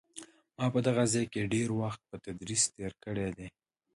ما په دغه ځای کې ډېر وخت په تدریس تېر کړی دی.